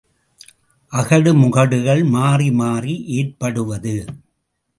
அகடுமுகடுகள் மாறிமாறி ஏற்படுவது.